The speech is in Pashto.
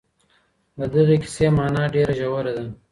د دغي کیسې مانا ډېره ژوره ده.